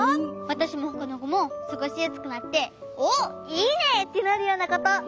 わたしもほかのこもすごしやすくなって「おっいいね！」ってなるようなこと。